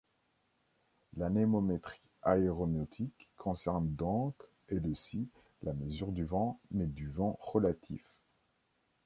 L'anémométrie aéronautique concerne donc, elle aussi, la mesure du vent, mais du vent relatif.